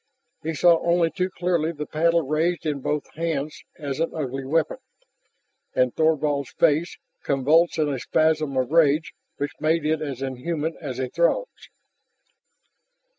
He saw only too clearly the paddle raised in both hands as an ugly weapon, and Thorvald's face, convulsed in a spasm of rage which made it as inhuman as a Throg's.